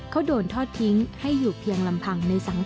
เขาโดนทอดทิ้งให้อยู่เพียงลำพังในสังค